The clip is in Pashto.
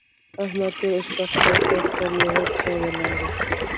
احمد ټوله شپه خدای ته پر يوه پښه ولاړ وو.